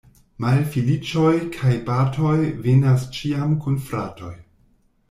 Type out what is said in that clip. Malfeliĉoj kaj batoj venas ĉiam kun fratoj.